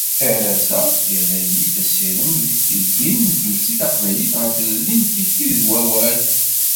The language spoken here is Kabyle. Arraz-a yerra-yi-d asirem deg tiddin n tmetti taqbaylit ɣer tlelli n tikti d wawal.